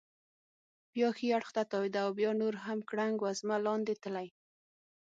بیا ښي اړخ ته تاوېده او بیا نور هم ګړنګ وزمه لاندې تلی.